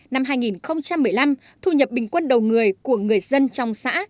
năm hai nghìn một mươi năm thu nhập bình quân đầu người của người dân trong xã